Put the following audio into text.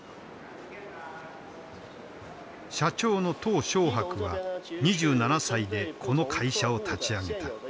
社長の小白は２７歳でこの会社を立ち上げた。